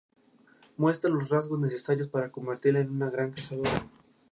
Se desconoce la legislación relativa a los judíos si la hubiere.